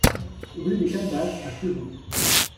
Rue des Calebasses à Kourou